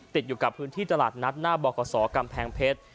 ติดอยู่กับพื้นที่ตลาดนัดหน้าบกษกำแพงเพชร